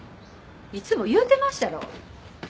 いつも言うてまっしゃろ。